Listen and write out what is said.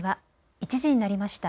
１時になりました。